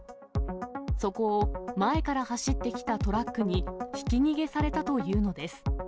そこを前から走ってきたトラックにひき逃げされたというのです。